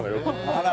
あら！